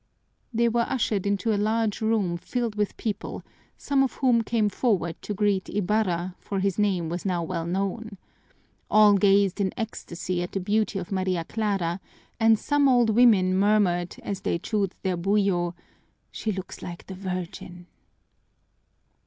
They were ushered into a large room filled with people, some of whom came forward to greet Ibarra, for his name was now well known. All gazed in ecstasy at the beauty of Maria Clara and some old women murmured, as they chewed their buyo, "She looks like the Virgin!"